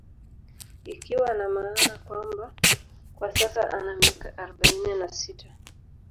Ikiwa na maana kwamba kwa sasa ana miaka arobaini na sita